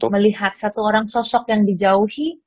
melihat satu orang sosok yang dijauhi